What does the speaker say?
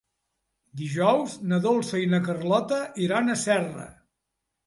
Dijous na Dolça i na Carlota iran a Serra.